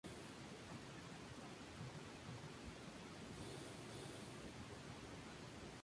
A su lado se levanta una nueva capilla de la Esperanza.